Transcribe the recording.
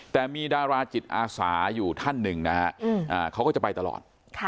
แต่มีดาราจิตอาสาอยู่ท่านหนึ่งนะฮะเขาก็จะไปตลอด